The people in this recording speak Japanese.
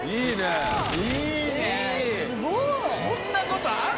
すごい！こんなことある？